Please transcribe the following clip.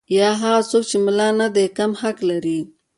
یا هغه څوک چې ملا نه دی کم حق لري.